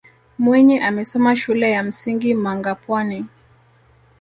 mwinyi amesoma shule ya msingi mangapwani